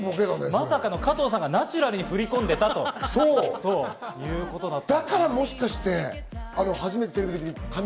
まさかの加藤さんがナチュラルに振り込んでたということです。